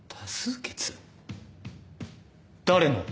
誰の？